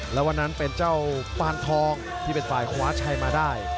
แล้ววันนั้นเป็นเจ้าปานทองที่เป็นฝ่ายคว้าชัยมาได้